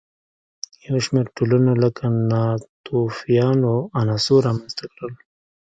یو شمېر ټولنو لکه ناتوفیانو عناصر رامنځته کړل.